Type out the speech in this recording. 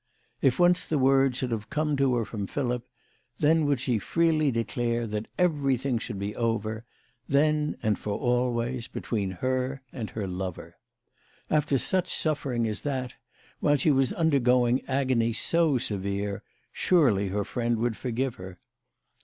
If once the word should have come to her from Philip, then would she freely declare that everything should be over, then and for always, between her and her lover. After such suffering as that, while she was undergoing agony so severe, surely her friend would forgive her.